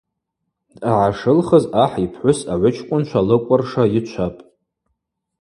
Дъагӏашылхыз ахӏ йпхӏвыс агӏвычкӏвынчва лыкӏвырша йычвапӏ.